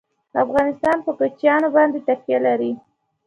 افغانستان په کوچیان باندې تکیه لري.